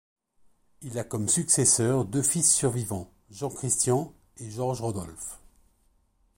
Il a comme successeurs deux fils survivants, Jean-Christian et Georges-Rodolphe.